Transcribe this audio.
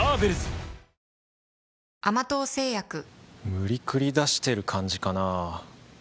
無理くり出してる感じかなぁ